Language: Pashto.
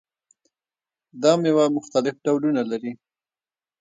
دا میوه مختلف ډولونه لري.